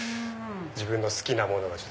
自分の好きなもの